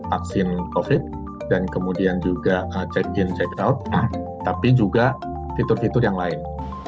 vaksin covid dan kemudian juga check in check out tapi juga fitur fitur yang lain